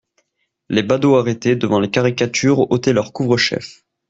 Les badauds arrêtés devant les caricatures ôtaient leurs couvre-chefs.